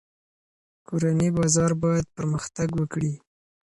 کورني بازار باید پرمختګ وکړي.